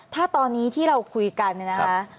ถ้าตอนนี้ที่เราคุยกันนะครับ